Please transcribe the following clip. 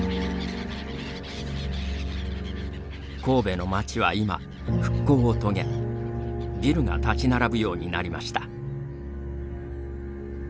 神戸の街は今、復興を遂げビルが建ち並ぶようになりました。